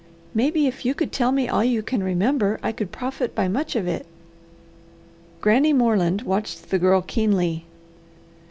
Maybe if you would tell me all you can remember I could profit by much of it." Granny Moreland watched the Girl keenly.